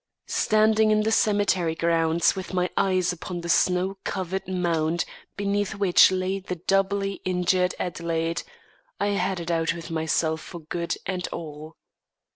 Standing in the cemetery grounds with my eyes upon the snow covered mound beneath which lay the doubly injured Adelaide, I had it out with myself, for good and all.